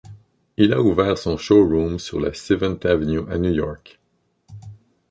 Il a ouvert son showroom sur la Seventh Avenue à New York.